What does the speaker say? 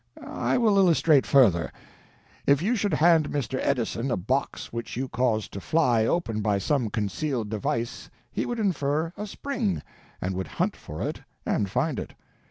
I will illustrate further. If you should hand Mr. Edison a box which you caused to fly open by some concealed device he would infer a spring, and would hunt for it and find it.